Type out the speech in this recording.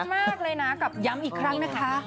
มากเลยนะกับย้ำอีกครั้งนะคะ